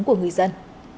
của người dân